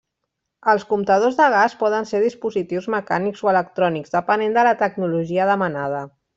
Els comptadors de gas poden ser dispositius mecànics o electrònics, depenent de la tecnologia demanada.